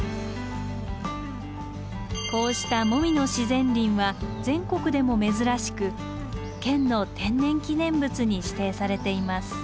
こうしたモミの自然林は全国でも珍しく県の天然記念物に指定されています。